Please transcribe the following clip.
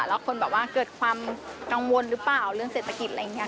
แล้วคนแบบว่าเกิดความกังวลหรือเปล่าเรื่องเศรษฐกิจอะไรอย่างนี้